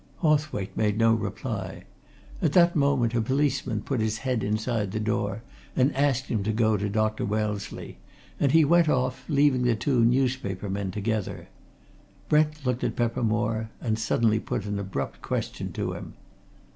Hawthwaite made no reply. At that moment a policeman put his head inside the door and asked him to go to Dr. Wellesley, and he went off, leaving the two newspaper men together. Brent looked at Peppermore and suddenly put an abrupt question to him.